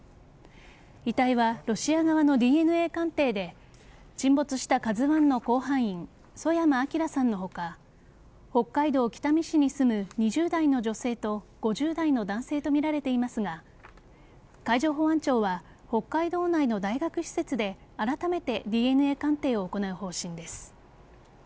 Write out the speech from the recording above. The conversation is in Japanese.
遺体はロシア側のＤＮＡ鑑定で沈没した「ＫＡＺＵ１」の甲板員曽山聖さんの他北海道北見市に住む２０代の女性と５０代の男性とみられていますが海上保安庁は北海道内の大学施設であらためてＤＮＡ鑑定を行う方針です。